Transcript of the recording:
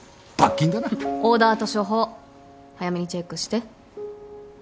オーダーと処方早めにチェックして。